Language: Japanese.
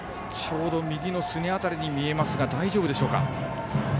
ちょうど右のすね辺りに見えましたが大丈夫でしょうか。